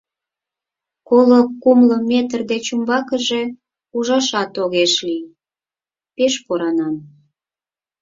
Коло-кумло метр деч умбакыже ужашат огеш лий: пеш поранан.